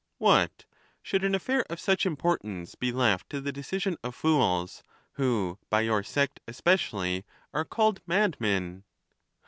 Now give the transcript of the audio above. What ! should an affair of such importance be left to the decision of fools, who, by your sect especially, are called madmen